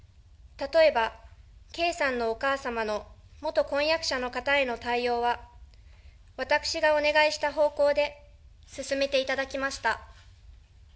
例えば、圭さんのお母様の元婚約者の方への対応は、私がお願いした方向で進めていただきました。